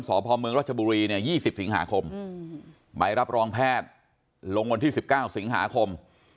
สพเมืองรัชบุรีเนี่ย๒๐สิงหาคมใบรับรองแพทย์ลงวันที่๑๙สิงหาคม